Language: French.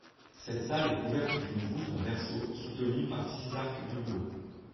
Cette salle est couverte d’une voûte en berceau soutenue par six arcs-doubleaux.